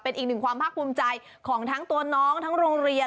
เป็นอีกหนึ่งความภาคภูมิใจของทั้งตัวน้องทั้งโรงเรียน